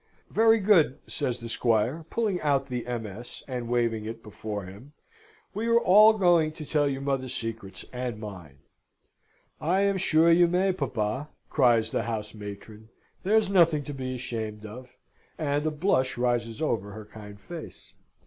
"Very good," says the Squire, pulling out the MS., and waving it before him. "We are going to tell your mother's secrets and mine." "I am sure you may, papa," cries the house matron. "There's nothing to be ashamed of." And a blush rises over her kind face.